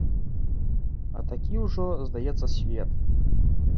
А такі ўжо, здаецца, свет.